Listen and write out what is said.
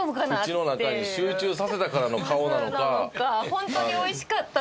口の中に集中させたからの顔なのか。